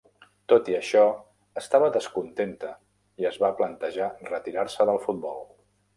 Tot i això, estava descontenta i es va plantejar retirar-se del futbol.